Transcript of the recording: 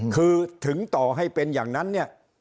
คือถึงต่อให้เป็นอย่างนั้นเนี่ย